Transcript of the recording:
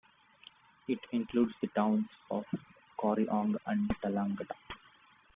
It includes the towns of Corryong and Tallangatta.